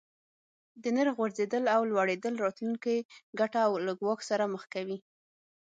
د نرخ غورځیدل او لوړیدل راتلونکې ګټه له ګواښ سره مخ کوي.